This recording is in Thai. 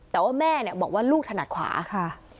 แต่ว่าแม่เนี่ยบอกว่าลูกถนัดขวาค่ะ